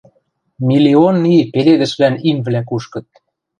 — Миллион и пеледӹшвлӓн имвлӓ кушкыт.